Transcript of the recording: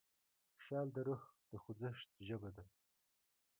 خیال د روح د خوځښت ژبه ده.